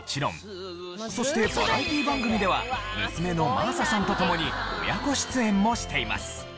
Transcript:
そしてバラエティー番組では娘の真麻さんと共に親子出演もしています。